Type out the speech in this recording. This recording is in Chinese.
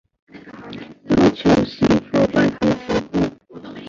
要求媳妇放在仓库